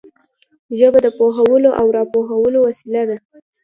ژبه د پوهولو او را پوهولو وسیله ده